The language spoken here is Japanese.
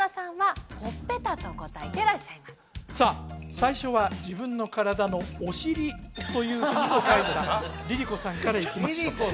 最初は「自分の体のお尻」というセリフを書いてたＬｉＬｉＣｏさんからいきましょう